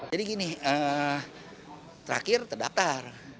jadi gini terakhir terdatar